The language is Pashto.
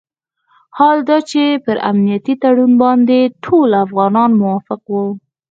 حال دا چې پر امنیتي تړون باندې ټول افغانان موافق وو.